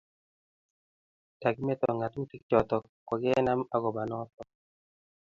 nnda kimeto ngatutik chotok ko kenam akoba notok